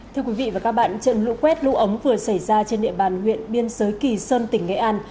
thưa quý vị và các bạn trận lũ quét lũ ống vừa xảy ra trên địa bàn huyện biên giới kỳ sơn tỉnh nghệ an